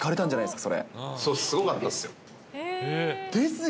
すごかったっすよ。